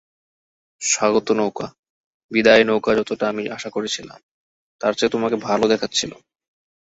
স্বাগত নৌকা, বিদায় নৌকাযতটা আমি আশা করেছিলাম, তার চেয়ে তোমাকে ভালো দেখাচ্ছিল।